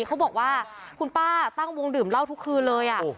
เขาบอกว่าคุณป้าตั้งวงดื่มเหล้าทุกคืนเลย